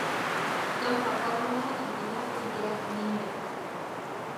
كم خفضنا الجناح للجاهلينا